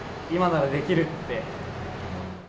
今ならできるって。